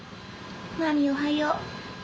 マミおはよう。